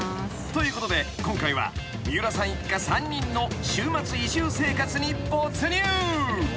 ［ということで今回は三浦さん一家３人の週末移住生活に没入］